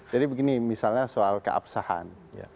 jadi begini misalnya soal keabsahan